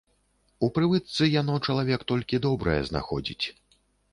У прывычцы яно чалавек толькі добрае знаходзіць.